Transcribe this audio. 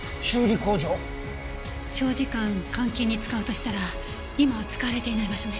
長時間監禁に使うとしたら今は使われていない場所ね。